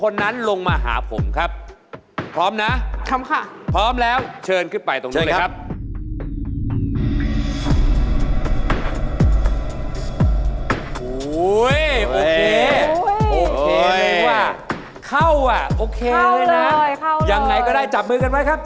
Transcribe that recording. ยังไงก็ได้จับมือกันไว้ครับ